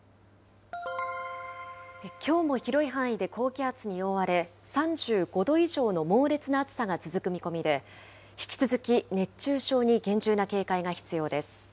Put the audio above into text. きょうも広い範囲で高気圧に覆われ、３５度以上の猛烈な暑さが続く見込みで、引き続き熱中症に厳重な警戒が必要です。